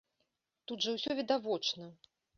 Тут жа ўсё відавочна.